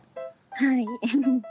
はい。